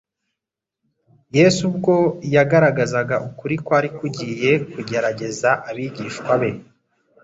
Yesu ubwo yagaragazaga ukuri kwari kugiye kugerageza abigishwa be,